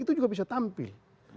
itu juga bisa tampil